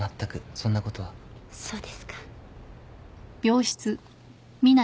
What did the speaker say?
そうですか。